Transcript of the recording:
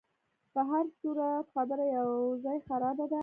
په هرصورت خبره یو ځای خرابه ده.